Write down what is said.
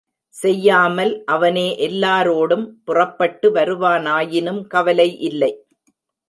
செய்யாமல் அவனே எல்லாரோடும் புறப்பட்டு வருவானாயினும் கவலை இல்லை.